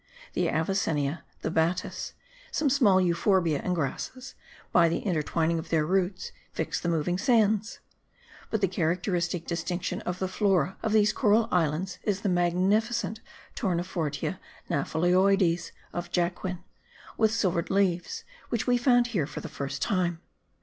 The Avicennia, the Batis, some small Euphorbia and grasses, by the intertwining of their roots, fix the moving sands. But the characteristic distinction of the Flora of these coral islands is the magnificent Tournefortia gnaphalioides of Jacquin, with silvered leaves, which we found here for the first time.